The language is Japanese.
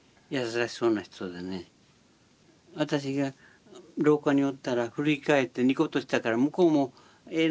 私が廊下におったら振り返ってニコッとしたから向こうもええな思たんやろね。